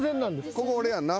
ここ俺やんな？